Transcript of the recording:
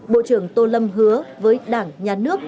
bộ trưởng tô lâm hứa với đảng nhà nước